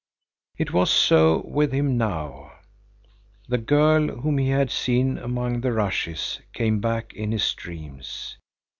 It was so with him now. The girl whom he had seen among the rushes came back in his dreams.